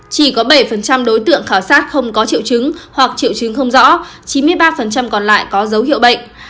chỉ có bảy đối tượng khảo sát không có triệu chứng hoặc triệu chứng không rõ chín mươi ba còn lại có dấu hiệu bệnh